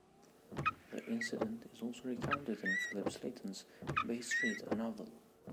The incident is also recounted in Philip Slayton's "Bay Street: A Novel".